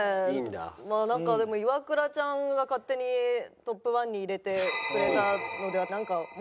まあなんかでもイワクラちゃんが勝手にトップ１に入れてくれたのでなんか申し訳ない気分です。